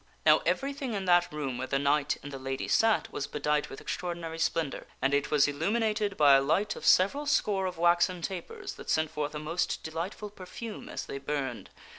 Now everything in that room where the knight and the lady sat was bedight with extraordinary splendor, and it was illuminated by a light of several score of waxen tapers that sent forth a most delightful perfume as they burned.